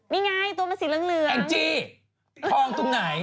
นี่ไงตัวมันสีเหลืองแองจี้ทองตรงไหน